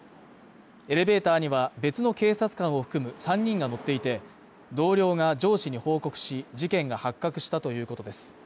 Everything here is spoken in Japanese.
エレベーターには別の警察官を含む３人が乗っていて、同僚が上司に報告し、事件が発覚したということです。